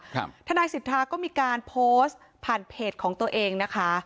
ครับมีการก็มีการโพสต์ผ่านเพจของตัวเองนะคะ